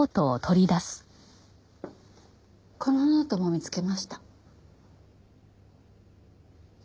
このノートも見つけました。